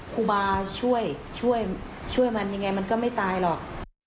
ครูบาช่วยช่วยมันยังไงมันก็ไม่ตายหรอก